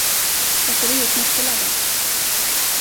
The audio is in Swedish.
Batteriet måste laddas.